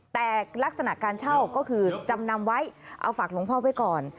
แต่ลักษณะการเช่าก็คือจำนำไว้เอาฝากหลวงพ่อไว้ก่อน